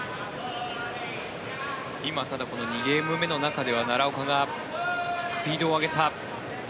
今、ただ２ゲーム目の中では奈良岡がスピードを上げた。